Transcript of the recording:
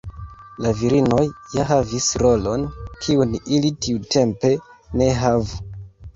La virinoj ja havis rolon kiun ili tiutempe ne havu.